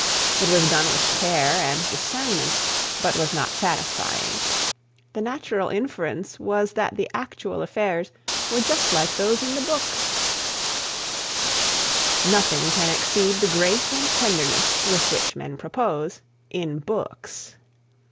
It was done with care and discernment, but was not satisfying. The natural inference was that the actual affairs were just like those in the book. [Sidenote: "In Books?"] Nothing can exceed the grace and tenderness with which men propose in books.